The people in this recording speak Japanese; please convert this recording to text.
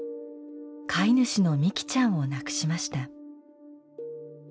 飼い主のみきちゃんを亡くしました。